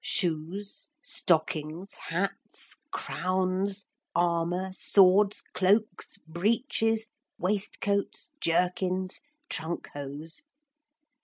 Shoes, stockings, hats, crowns, armour, swords, cloaks, breeches, waistcoats, jerkins, trunk hose.